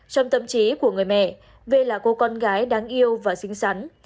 trong tâm trí của người mẹ về là cô con gái đáng yêu và xinh xắn